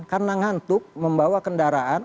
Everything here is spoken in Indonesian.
karena ngantuk membawa kendaraan